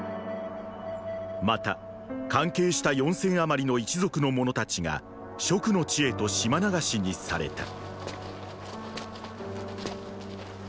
また関係した四千余りの一族の者たちが蜀の地へと島流しにされた。